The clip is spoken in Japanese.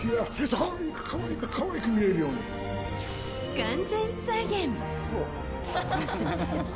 完全再現。